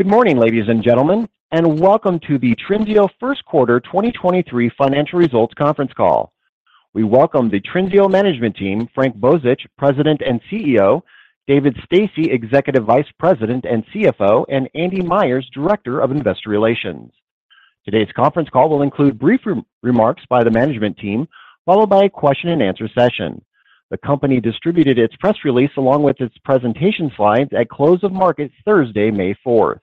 Good morning, ladies and gentlemen, and welcome to the Trinseo First Quarter 2023 Financial Results Conference Call. We welcome the Trinseo management team, Frank Bozich, President and CEO, David Stasse, Executive Vice President and CFO, and Andy Myers, Director of Investor Relations. Today's conference call will include brief re-remarks by the management team, followed by a question-and-answer session. The company distributed its press release along with its presentation slides at close of market Thursday, May 4.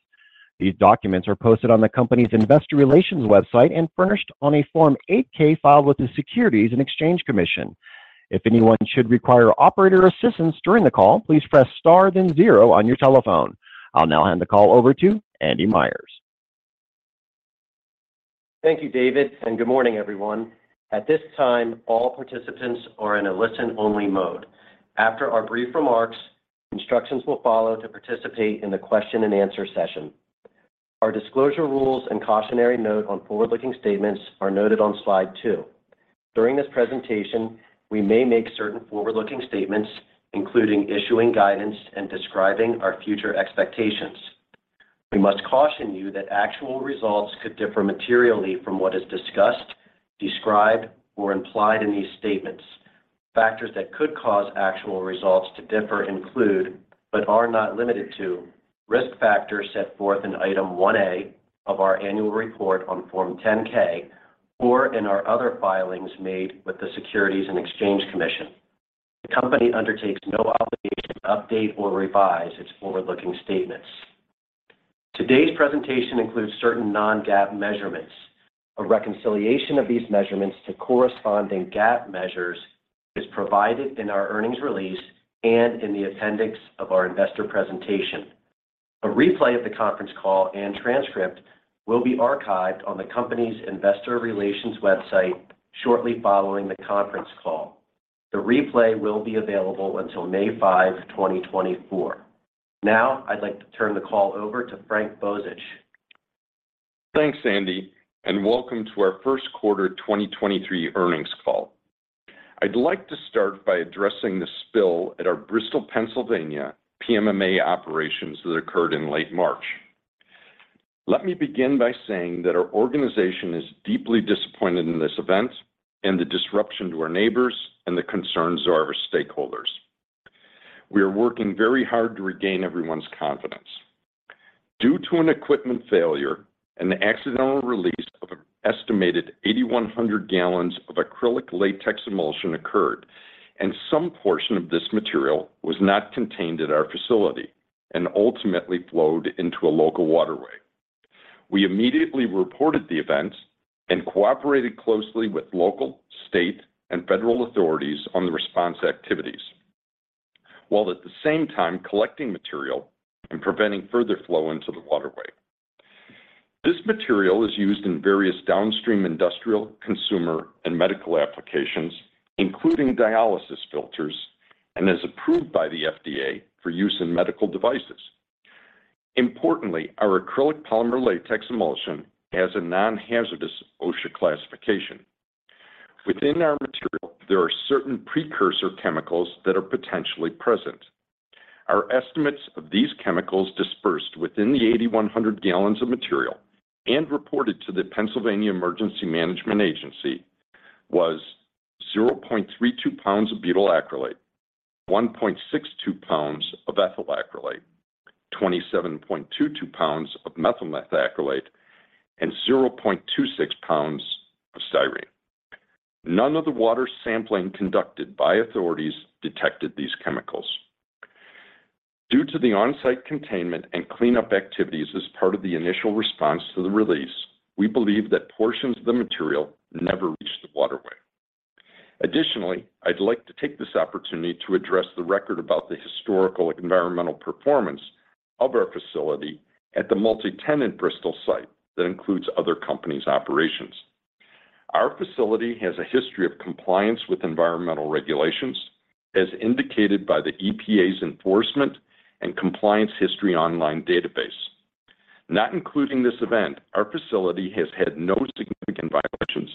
These documents are posted on the company's investor relations website and furnished on a Form 8-K filed with the Securities and Exchange Commission. If anyone should require operator assistance during the call, please press star then zero on your telephone. I'll now hand the call over to Andy Myers. Thank you, David. Good morning, everyone. At this time, all participants are in a listen-only mode. After our brief remarks, instructions will follow to participate in the question-and-answer session. Our disclosure rules and cautionary note on forward-looking statements are noted on slide two. During this presentation, we may make certain forward-looking statements, including issuing guidance and describing our future expectations. We must caution you that actual results could differ materially from what is discussed, described, or implied in these statements. Factors that could cause actual results to differ include, but are not limited to, risk factors set forth in Item 1A of our annual report on Form 10-K or in our other filings made with the Securities and Exchange Commission. The company undertakes no obligation to update or revise its forward-looking statements. Today's presentation includes certain non-GAAP measurements. A reconciliation of these measurements to corresponding GAAP measures is provided in our earnings release and in the appendix of our investor presentation. A replay of the conference call and transcript will be archived on the company's investor relations website shortly following the conference call. The replay will be available until May 5, 2024. Now, I'd like to turn the call over to Frank Bozich. Thanks, Andy. Welcome to our first quarter 2023 earnings call. I'd like to start by addressing the spill at our Bristol, Pennsylvania, PMMA operations that occurred in late March. Let me begin by saying that our organization is deeply disappointed in this event and the disruption to our neighbors and the concerns of our stakeholders. We are working very hard to regain everyone's confidence. Due to an equipment failure and the accidental release of an estimated 8,100 gallons of acrylic latex emulsion occurred, and some portion of this material was not contained at our facility and ultimately flowed into a local waterway. We immediately reported the event and cooperated closely with local, state, and federal authorities on the response activities, while at the same time collecting material and preventing further flow into the waterway. This material is used in various downstream industrial, consumer, and medical applications, including dialysis filters, and is approved by the FDA for use in medical devices. Importantly, our acrylic polymer latex emulsion has a non-hazardous OSHA classification. Within our material, there are certain precursor chemicals that are potentially present. Our estimates of these chemicals dispersed within the 8,100 gallons of material and reported to the Pennsylvania Emergency Management Agency was 0.32 pounds of butyl acrylate, 1.62 pounds of ethyl acrylate, 27.22 pounds of methyl methacrylate, and 0.26 pounds of styrene. None of the water sampling conducted by authorities detected these chemicals. Due to the on-site containment and cleanup activities as part of the initial response to the release, we believe that portions of the material never reached the waterway. Additionally, I'd like to take this opportunity to address the record about the historical environmental performance of our facility at the multi-tenant Bristol site that includes other companies' operations. Our facility has a history of compliance with environmental regulations, as indicated by the EPA's Enforcement and Compliance History Online database. Not including this event, our facility has had no significant violations,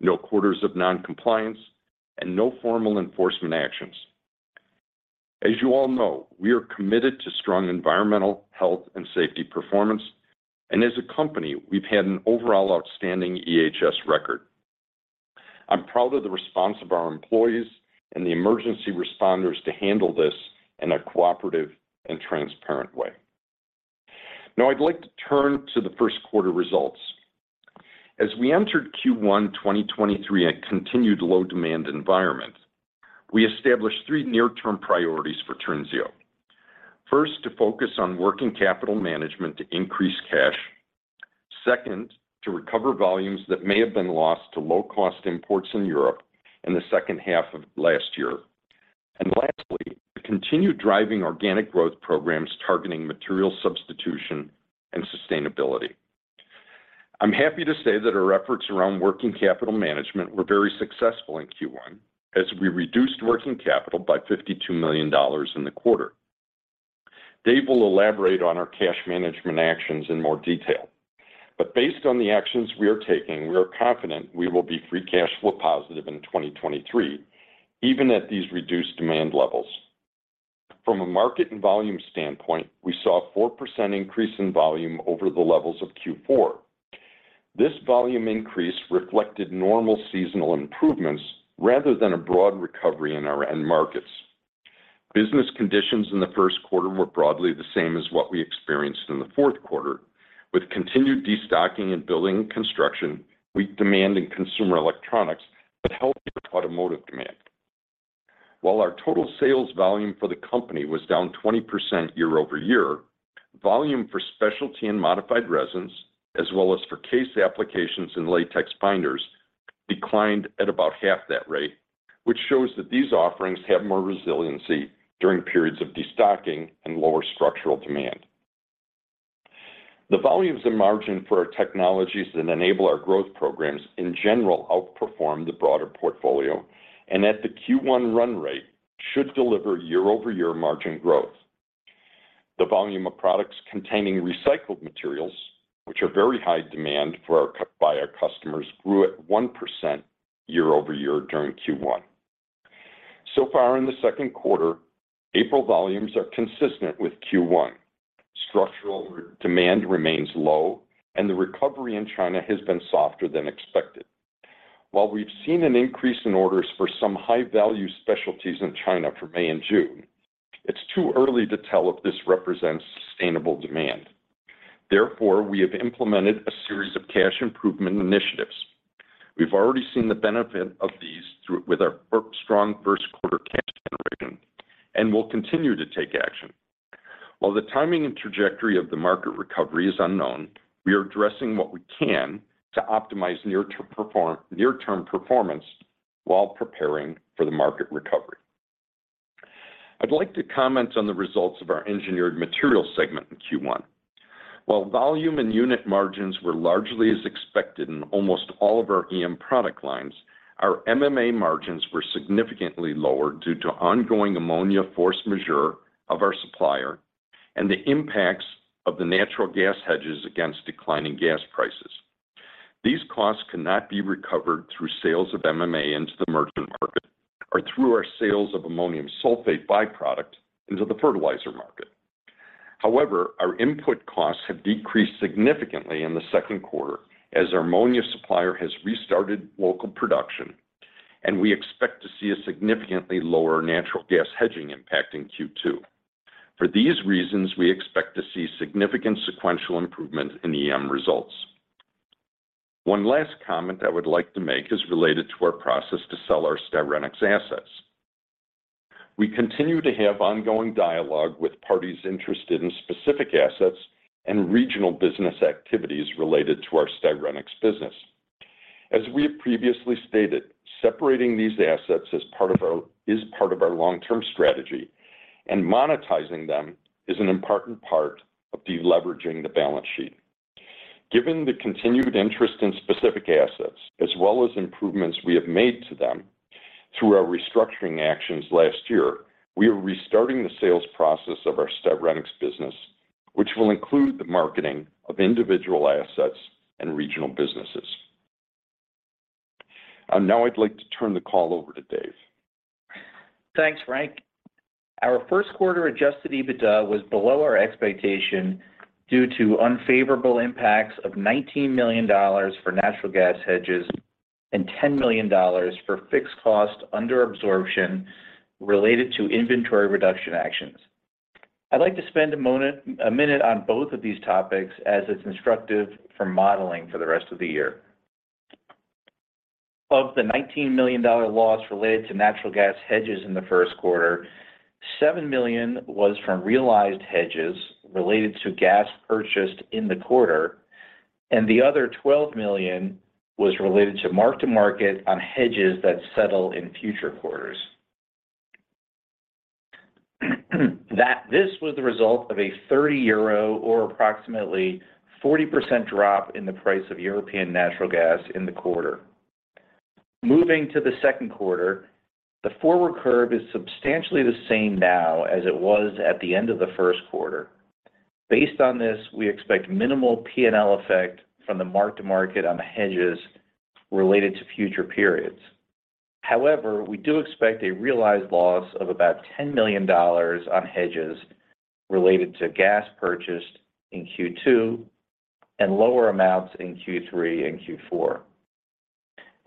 no quarters of non-compliance, and no formal enforcement actions. As you all know, we are committed to strong environmental, health, and safety performance. As a company, we've had an overall outstanding EHS record. I'm proud of the response of our employees and the emergency responders to handle this in a cooperative and transparent way. I'd like to turn to the first quarter results. As we entered Q1, 2023 at continued low demand environment, we established three near-term priorities for Trinseo. First, to focus on working capital management to increase cash. Second, to recover volumes that may have been lost to low-cost imports in Europe in the second half of last year. Lastly, to continue driving organic growth programs targeting material substitution and sustainability. I'm happy to say that our efforts around working capital management were very successful in Q1, as we reduced working capital by $52 million in the quarter. Dave will elaborate on our cash management actions in more detail. Based on the actions we are taking, we are confident we will be free cash flow positive in 2023, even at these reduced demand levels. From a market and volume standpoint, we saw a 4% increase in volume over the levels of Q4. This volume increase reflected normal seasonal improvements rather than a broad recovery in our end markets. Business conditions in the first quarter were broadly the same as what we experienced in the fourth quarter, with continued destocking in building and construction, weak demand in consumer electronics, but healthier automotive demand. Our total sales volume for the company was down 20% year-over-year, volume for specialty and modified resins, as well as for CASE applications and latex binders, declined at about half that rate, which shows that these offerings have more resiliency during periods of destocking and lower structural demand. The volumes and margin for our technologies that enable our growth programs in general outperformed the broader portfolio, and at the Q1 run rate should deliver year-over-year margin growth. The volume of products containing recycled materials, which are very high demand by our customers, grew at 1% year-over-year during Q1. Far in the second quarter, April volumes are consistent with Q1. Structural demand remains low. The recovery in China has been softer than expected. While we've seen an increase in orders for some high-value specialties in China for May and June, it's too early to tell if this represents sustainable demand. Therefore, we have implemented a series of cash improvement initiatives. We've already seen the benefit of these with our strong first quarter cash generation and will continue to take action. While the timing and trajectory of the market recovery is unknown, we are addressing what we can to optimize near-term performance while preparing for the market recovery. I'd like to comment on the results of our Engineered Materials segment in Q1. While volume and unit margins were largely as expected in almost all of our EM product lines, our MMA margins were significantly lower due to ongoing ammonia force majeure of our supplier and the impacts of the natural gas hedges against declining gas prices. These costs cannot be recovered through sales of MMA into the merchant market or through our sales of ammonium sulfate by-product into the fertilizer market. Our input costs have decreased significantly in the second quarter as our ammonia supplier has restarted local production, and we expect to see a significantly lower natural gas hedging impact in Q2. For these reasons, we expect to see significant sequential improvement in EM results. One last comment I would like to make is related to our process to sell our Styrenics assets. We continue to have ongoing dialogue with parties interested in specific assets and regional business activities related to our Styrenics business. As we have previously stated, separating these assets is part of our long-term strategy and monetizing them is an important part of deleveraging the balance sheet. Given the continued interest in specific assets as well as improvements we have made to them through our restructuring actions last year, we are restarting the sales process of our Styrenics business, which will include the marketing of individual assets and regional businesses. Now I'd like to turn the call over to Dave. Thanks, Frank. Our first quarter adjusted EBITDA was below our expectation due to unfavorable impacts of $19 million for natural gas hedges and $10 million for fixed cost under absorption related to inventory reduction actions. I'd like to spend a minute on both of these topics as it's instructive for modeling for the rest of the year. Of the $19 million loss related to natural gas hedges in the first quarter, $7 million was from realized hedges related to gas purchased in the quarter, and the other $12 million was related to mark-to-market on hedges that settle in future quarters. This was the result of a 30 euro or approximately 40% drop in the price of European natural gas in the quarter. Moving to the second quarter, the forward curve is substantially the same now as it was at the end of the first quarter. Based on this, we expect minimal P&L effect from the mark-to-market on the hedges related to future periods. However, we do expect a realized loss of about $10 million on hedges related to gas purchased in Q2 and lower amounts in Q3 and Q4.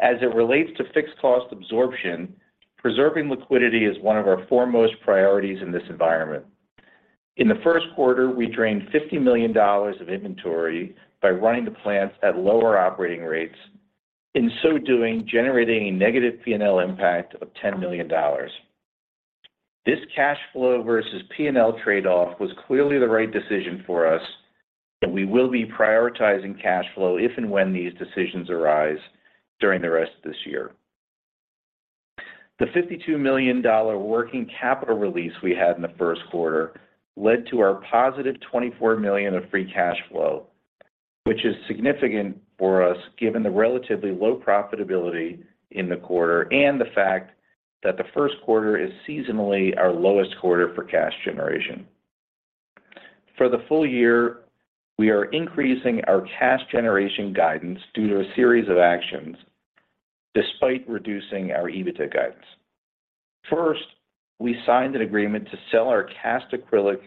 As it relates to fixed cost absorption, preserving liquidity is one of our foremost priorities in this environment. In the first quarter, we drained $50 million of inventory by running the plants at lower operating rates, in so doing, generating a negative P&L impact of $10 million. This cash flow versus P&L trade-off was clearly the right decision for us, and we will be prioritizing cash flow if and when these decisions arise during the rest of this year. The $52 million working capital release we had in the first quarter led to our +$24 million of free cash flow, which is significant for us given the relatively low profitability in the quarter and the fact that the first quarter is seasonally our lowest quarter for cash generation. For the full year, we are increasing our cash generation guidance due to a series of actions despite reducing our EBITDA guidance. First, we signed an agreement to sell our cast acrylic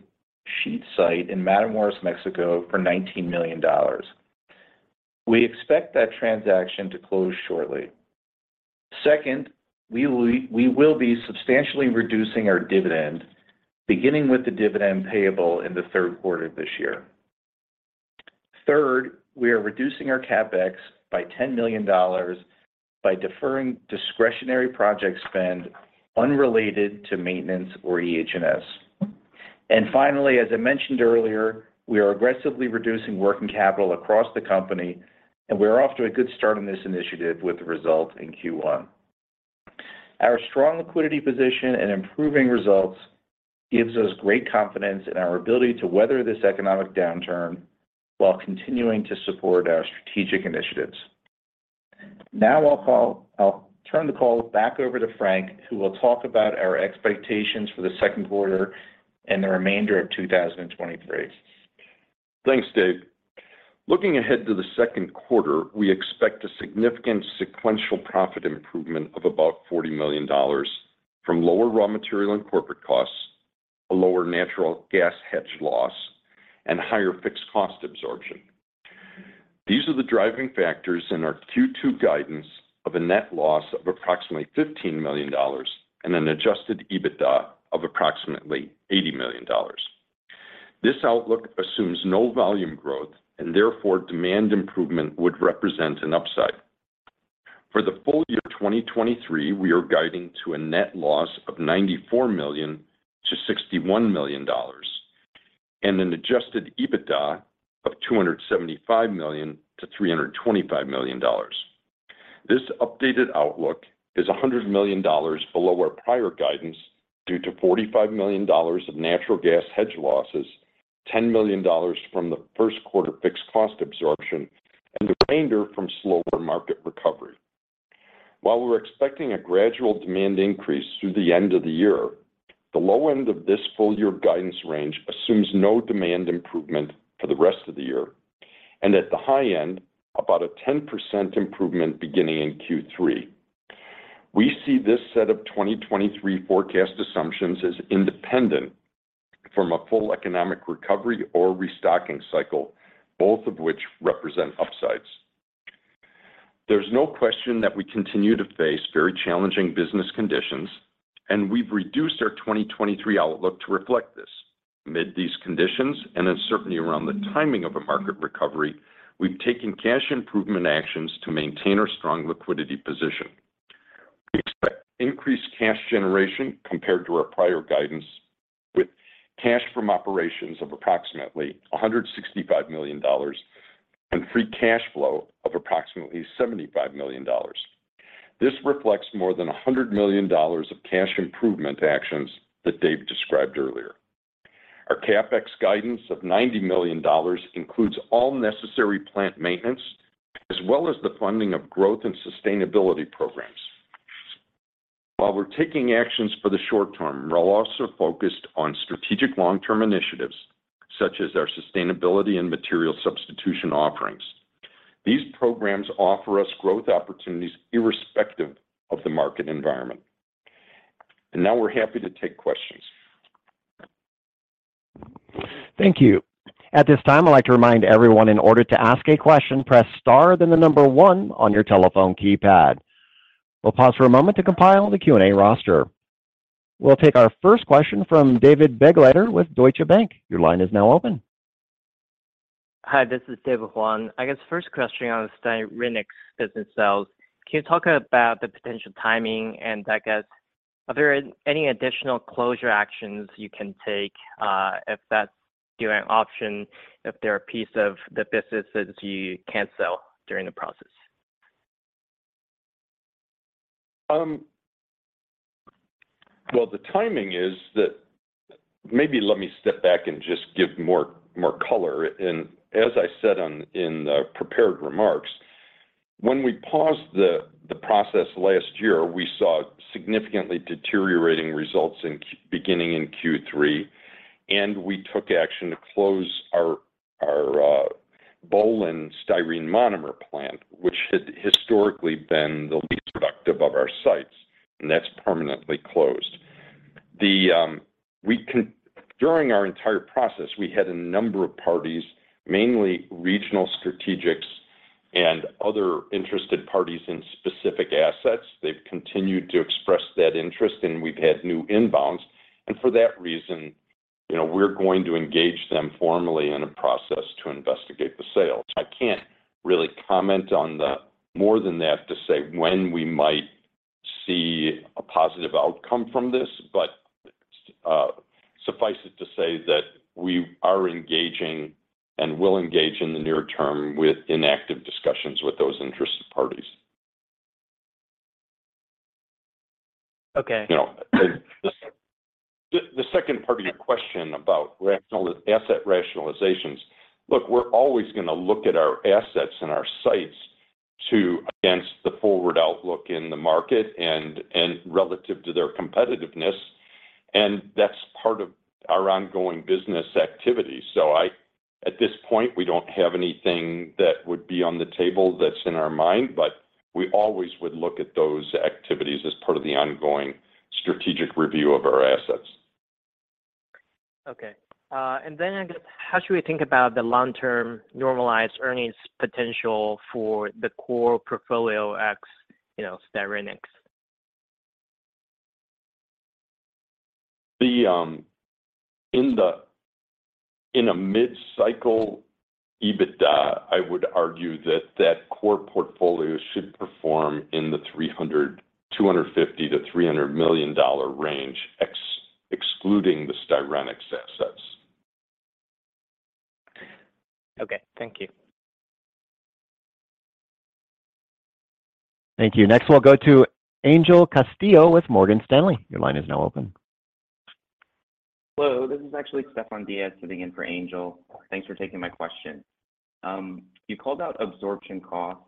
sheet site in Matamoros, Mexico for $19 million. We expect that transaction to close shortly. Second, we will be substantially reducing our dividend, beginning with the dividend payable in the third quarter of this year. Third, we are reducing our CapEx by $10 million by deferring discretionary project spend unrelated to maintenance or EH&S. Finally, as I mentioned earlier, we are aggressively reducing working capital across the company, and we are off to a good start on this initiative with the result in Q1. Our strong liquidity position and improving results gives us great confidence in our ability to weather this economic downturn while continuing to support our strategic initiatives. Now I'll turn the call back over to Frank, who will talk about our expectations for the second quarter and the remainder of 2023. Thanks, Dave. Looking ahead to the second quarter, we expect a significant sequential profit improvement of about $40 million from lower raw material and corporate costs, a lower natural gas hedge loss, and higher fixed cost absorption. These are the driving factors in our Q2 guidance of a net loss of approximately $15 million and an adjusted EBITDA of approximately $80 million. This outlook assumes no volume growth, and therefore, demand improvement would represent an upside. For the full year 2023, we are guiding to a net loss of $94 million-$61 million and an adjusted EBITDA of $275 million-$325 million. This updated outlook is $100 million below our prior guidance due to $45 million of natural gas hedge losses, $10 million from the first quarter fixed cost absorption, and the remainder from slower market recovery. While we're expecting a gradual demand increase through the end of the year, the low end of this full year guidance range assumes no demand improvement for the rest of the year. At the high end, about a 10% improvement beginning in Q3. We see this set of 2023 forecast assumptions as independent from a full economic recovery or restocking cycle, both of which represent upsides. There's no question that we continue to face very challenging business conditions, and we've reduced our 2023 outlook to reflect this. Amid these conditions and uncertainty around the timing of a market recovery, we've taken cash improvement actions to maintain our strong liquidity position. We expect increased cash generation compared to our prior guidance, with cash from operations of approximately $165 million and free cash flow of approximately $75 million. This reflects more than $100 million of cash improvement actions that Dave described earlier. Our CapEx guidance of $90 million includes all necessary plant maintenance, as well as the funding of growth and sustainability programs. While we're taking actions for the short term, we're also focused on strategic long-term initiatives, such as our sustainability and material substitution offerings. These programs offer us growth opportunities irrespective of the market environment. Now we're happy to take questions. Thank you. At this time, I'd like to remind everyone in order to ask a question, press star, then one on your telephone keypad. We'll pause for a moment to compile the Q&A roster. We'll take our first question from David Begleiter with Deutsche Bank. Your line is now open. Hi, this is Dave Huang. I guess first question on styrene business sales. Can you talk about the potential timing and I guess, are there any additional closure actions you can take, if that's your option, if there are pieces of the business that you can't sell during the process? Well, the timing is that. Maybe let me step back and just give more color. As I said in the prepared remarks, when we paused the process last year, we saw significantly deteriorating results beginning in Q3, and we took action to close our Boehlen styrene monomer plant, which had historically been the least productive of our sites, and that's permanently closed. During our entire process, we had a number of parties, mainly regional strategics and other interested parties in specific assets. They've continued to express that interest, and we've had new inbounds. For that reason, you know, we're going to engage them formally in a process to investigate the sale. I can't really comment more than that to say when we might see a positive outcome from this, but suffice it to say that we are engaging and will engage in the near term with inactive discussions with those interested parties. Okay. You know. Second part of your question about asset rationalizations. Look, we're always gonna look at our assets and our sites to against the forward outlook in the market and relative to their competitiveness. That's part of our ongoing business activity. At this point, we don't have anything that would be on the table that's in our mind, but we always would look at those activities as part of the ongoing strategic review of our assets. Okay. I guess, how should we think about the long-term normalized earnings potential for the core portfolio ex, you know, Styrenics? In a mid-cycle EBITDA, I would argue that that core portfolio should perform in the $250 million-$300 million range excluding the Styrenics assets. Okay, thank you. Thank you. Next, we'll go to Angel Castillo with Morgan Stanley. Your line is now open. Hello, this is actually Stefan Diaz sitting in for Angel. Thanks for taking my question. You called out absorption costs.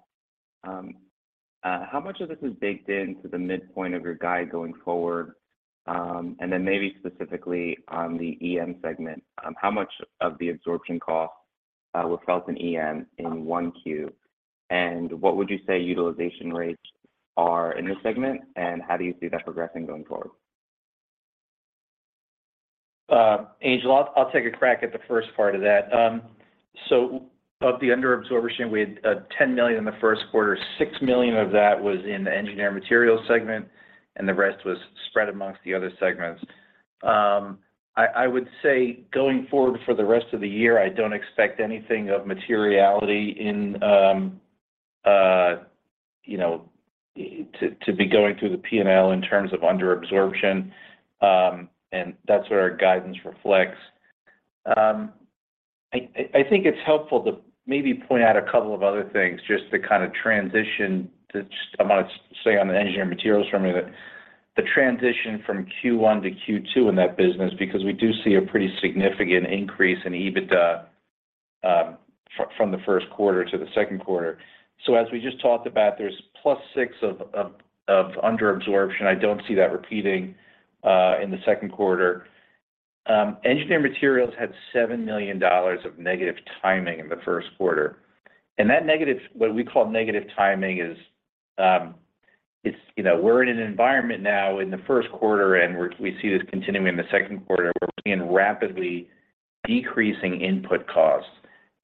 How much of this is baked into the midpoint of your guide going forward? Then maybe specifically on the EM segment, how much of the absorption costs were felt in EM in 1Q? What would you say utilization rates are in this segment, and how do you see that progressing going forward? Angel, I'll take a crack at the first part of that. Of the under absorption, we had $10 million in the first quarter. $6 million of that was in the Engineered Materials segment, and the rest was spread amongst the other segments. I would say going forward for the rest of the year, I don't expect anything of materiality in, you know, to be going through the P&L in terms of under absorption. That's what our guidance reflects. I think it's helpful to maybe point out a couple of other things to kind of transition to I want to say on the Engineered Materials for a minute, the transition from Q1 to Q2 in that business because we do see a pretty significant increase in EBITDA from the first quarter to the second quarter. As we just talked about, there's +6 of under absorption. I don't see that repeating in the second quarter. Engineered Materials had $7 million of negative timing in the first quarter. That negative, what we call negative timing, is, you know, we're in an environment now in the first quarter, and we see this continuing in the second quarter. We're seeing rapidly decreasing input costs,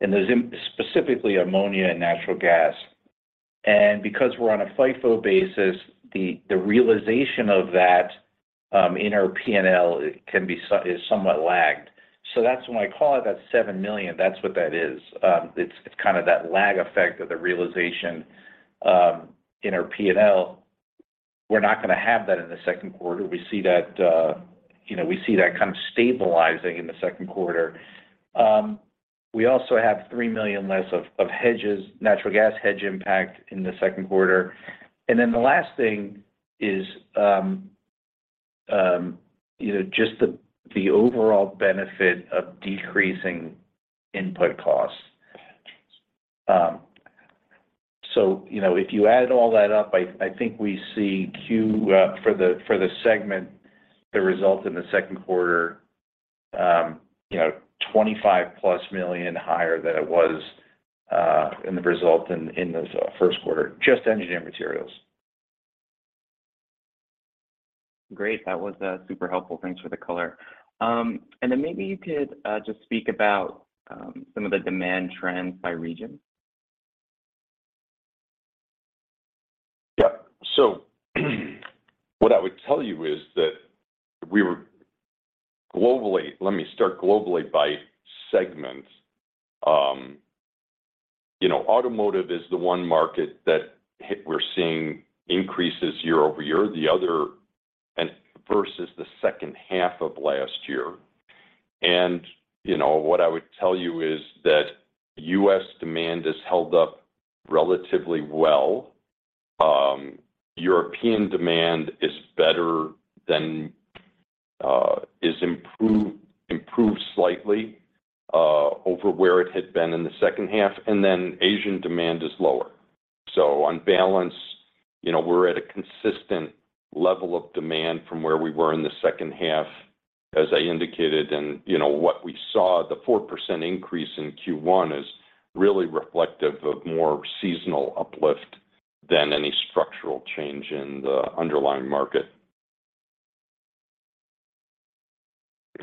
and those specifically ammonia and natural gas. Because we're on a FIFO basis, the realization of that in our P&L is somewhat lagged. That's when I call it that $7 million, that's what that is. It's kind of that lag effect of the realization in our P&L. We're not gonna have that in the second quarter. We see that, you know, we see that kind of stabilizing in the second quarter. We also have $3 million less of hedges, natural gas hedge impact in the second quarter. The last thing is, you know, just the overall benefit of decreasing input costs. You know, if you add all that up, I think we see Q, for the segment that results in the second quarter, you know, $25 plus million higher than it was in the first quarter, just Engineered Materials. Great. That was super helpful. Thanks for the color. Then maybe you could just speak about some of the demand trends by region. What I would tell you is that Let me start globally by segment. you know, automotive is the one market that we're seeing increases year-over-year and versus the second half of last year. you know, what I would tell you is that US demand has held up relatively well. European demand is better than is improved slightly over where it had been in the second half, Asian demand is lower. On balance, you know, we're at a consistent level of demand from where we were in the second half, as I indicated. you know, what we saw, the 4% increase in Q1 is really reflective of more seasonal uplift than any structural change in the underlying market.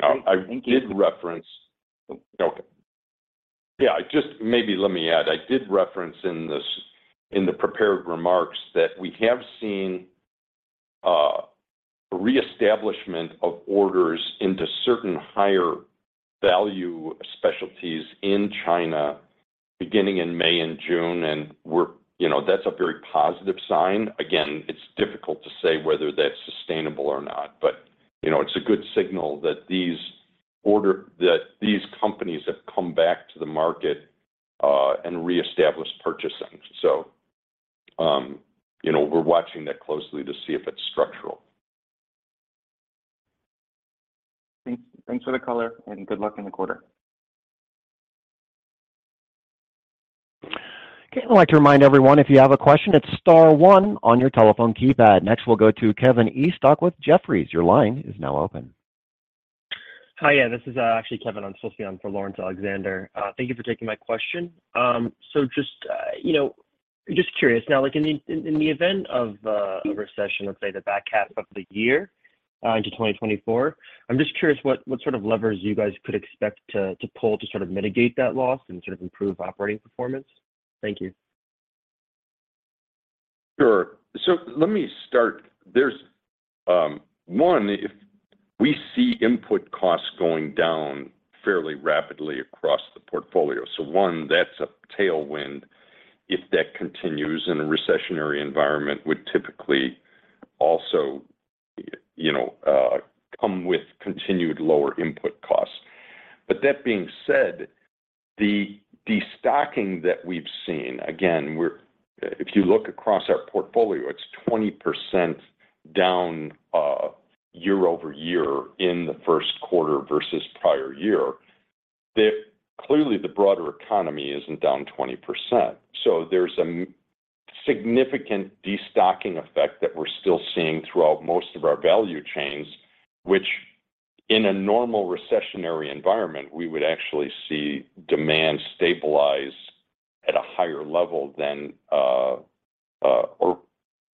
I did reference. Thank you. Okay. Yeah. Just maybe let me add, I did reference in the prepared remarks that we have seen reestablishment of orders into certain higher value specialties in China beginning in May and June, and we're, you know, that's a very positive sign. Again, it's difficult to say whether that's sustainable or not. You know, it's a good signal that these companies have come back to the market and reestablished purchasing. You know, we're watching that closely to see if it's structural. Thanks, thanks for the color, and good luck in the quarter. Okay. I'd like to remind everyone, if you have a question, it's star one on your telephone keypad. Next, we'll go to Kevin Estok, Jefferies. Your line is now open. Hi. Yeah, this is actually Kevin I'm associated for Laurence Alexander. Thank you for taking my question. Just, you know, just curious now, like in the event of a recession, let's say the back half of the year, into 2024, I'm just curious what sort of levers you guys could expect to pull to sort of mitigate that loss and sort of improve operating performance. Thank you. Sure. Let me start. There's one, if we see input costs going down fairly rapidly across the portfolio, so one, that's a tailwind if that continues in a recessionary environment, would typically also, you know, come with continued lower input costs. That being said, the destocking that we've seen again, if you look across our portfolio, it's 20% down year-over-year in the first quarter versus prior year, clearly the broader economy isn't down 20%. There's a significant destocking effect that we're still seeing throughout most of our value chains, which in a normal recessionary environment, we would actually see demand stabilize at a higher level than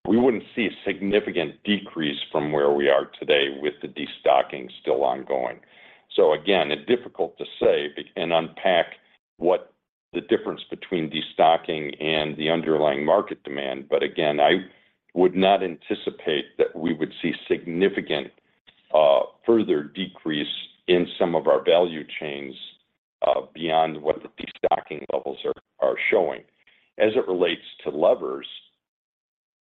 we wouldn't see a significant decrease from where we are today with the destocking still ongoing. Again, it's difficult to say and unpack what the difference between destocking and the underlying market demand. But again, I would not anticipate that we would see significant further decrease in some of our value chains beyond what the destocking levels are showing. As it relates to levers,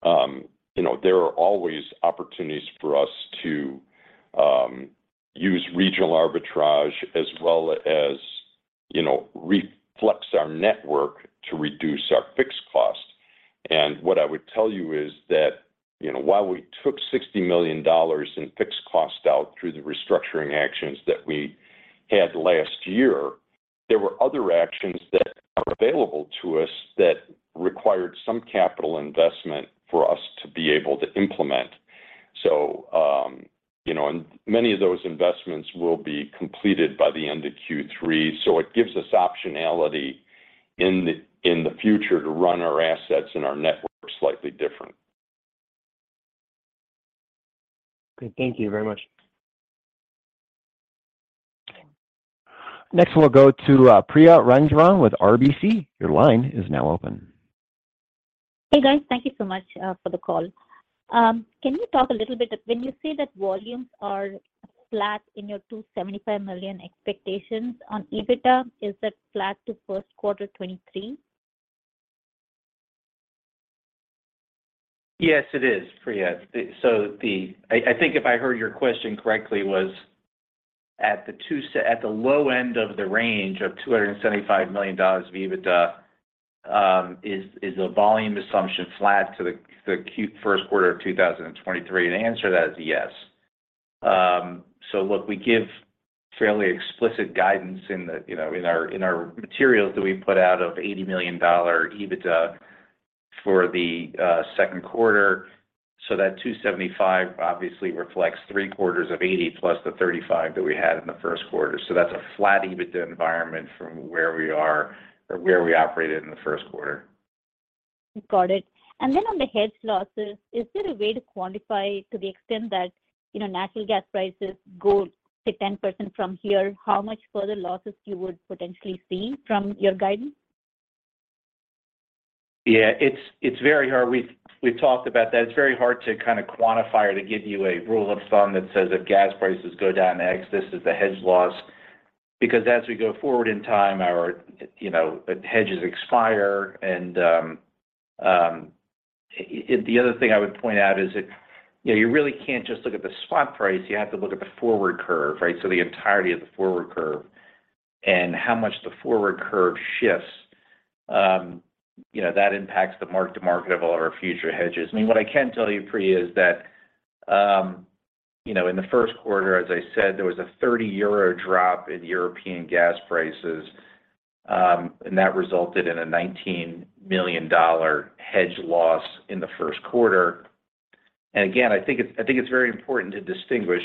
you know, there are always opportunities for us to use regional arbitrage as well as, you know, re-flex our network to reduce our fixed cost. What I would tell you is that, you know, while we took $60 million in fixed cost out through the restructuring actions that we had last year, there were other actions that are available to us that required some capital investment for us to be able to implement. You know, and many of those investments will be completed by the end of Q3. it gives us optionality in the future to run our assets and our network slightly different. Okay. Thank you very much. Next, we'll go to Priya Rangarajan with RBC. Your line is now open. Hey, guys. Thank you so much, for the call. Can you talk a little bit, when you say that volumes are flat in your $275 million expectations on EBITDA, is that flat to first quarter 2023? Yes, it is, Priya. I think if I heard your question correctly, was at the low end of the range of $275 million of EBITDA, is a volume assumption flat to the Q first quarter of 2023? The answer to that is yes. Look, we give fairly explicit guidance in the, you know, in our, in our materials that we put out of $80 million EBITDA for the second quarter. That $275 obviously reflects three quarters of $80 million+ the $35 million that we had in the first quarter. That's a flat EBITDA environment from where we are or where we operated in the first quarter. Got it. On the hedge losses, is there a way to quantify to the extent that, you know, natural gas prices go, say, 10% from here, how much further losses you would potentially see from your guidance? Yeah, it's very hard. We've talked about that. It's very hard to kinda quantify or to give you a rule of thumb that says, if gas prices go down X, this is the hedge loss. Because as we go forward in time, our, you know, hedges expire. The other thing I would point out is that, you know, you really can't just look at the swap price, you have to look at the forward curve, right? The entirety of the forward curve and how much the forward curve shifts, you know, that impacts the mark to market of all our future hedges. I mean, what I can tell you, Priya, is that, you know, in the first quarter, as I said, there was a 30 euro drop in European gas prices, and that resulted in a $19 million hedge loss in the first quarter. Again, I think it's very important to distinguish,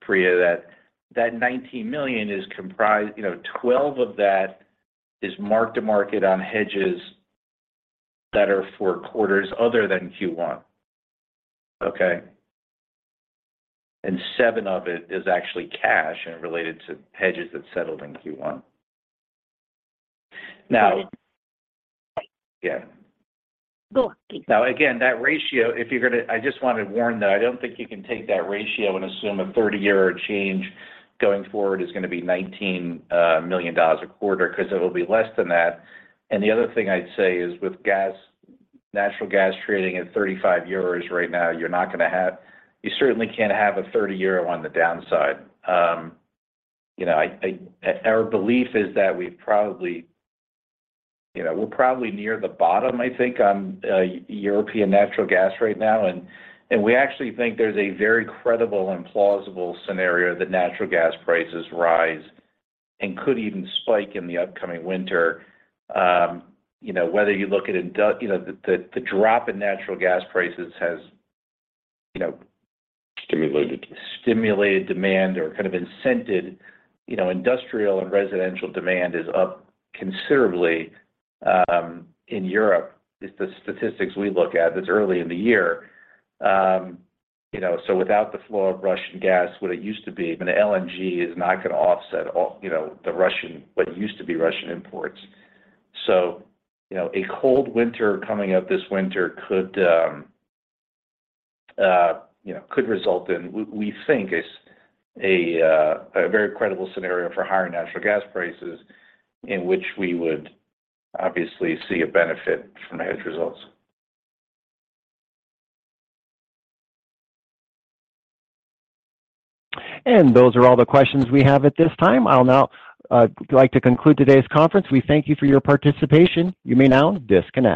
Priya, that that $19 million is comprised, you know, 12 of that is mark to market on hedges that are for quarters other than Q1. Okay? Seven of it is actually cash and related to hedges that settled in Q1. Got it. Yeah. Go on. Now again, that ratio, if you're I just want to warn that I don't think you can take that ratio and assume a 30-year change going forward is gonna be $19 million a quarter 'cause it'll be less than that. The other thing I'd say is with gas, natural gas trading at 35 euros right now, you're not gonna have you certainly can't have a 30 euro on the downside. You know, I our belief is that we've probably, you know, we're probably near the bottom, I think, on European natural gas right now. We actually think there's a very credible and plausible scenario that natural gas prices rise and could even spike in the upcoming winter. You know, whether you look at you know, the drop in natural gas prices has, you know. Stimulated... stimulated demand or kind of incented, you know, industrial and residential demand is up considerably, in Europe. It's the statistics we look at this early in the year. you know, without the flow of Russian gas, what it used to be, I mean, LNG is not gonna offset all, you know, the Russian, what used to be Russian imports. you know, a cold winter coming up this winter could, you know, could result in we think is a very credible scenario for higher natural gas prices, in which we would obviously see a benefit from the hedge results. Those are all the questions we have at this time. I'll now like to conclude today's conference. We thank you for your participation. You may now disconnect.